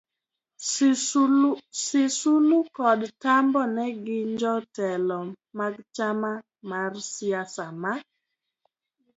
SisulukodTambo ne ginjotelo magchama marsiasama